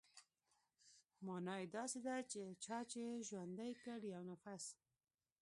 مانا يې داسې ده چې چا چې ژوندى کړ يو نفس.